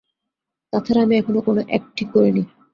তাছাড়া আমি এখনো কোনো অ্যাক্ট ঠিক করিনি।